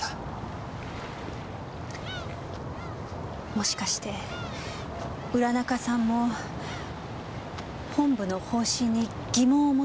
もしかして浦中さんも本部の方針に疑問を持っていたのでは？